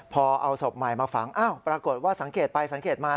พอเอาศพใหม่มาฝังอ้าวปรากฏว่าสังเกตไปสังเกตมา